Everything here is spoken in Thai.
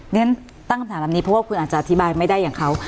เรียนตั้งคำถามแบบนี้เพราะว่าคุณอาจจะอธิบายไม่ได้อย่างเขา